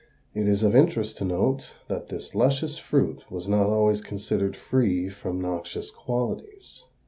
It is of interest to note that this luscious fruit was not always considered free from noxious qualities.